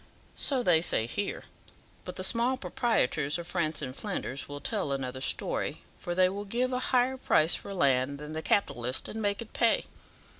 "So they say here; but the small proprietors of France and Flanders will tell another story, for they will give a higher price for land than the capitalist, and make it pay.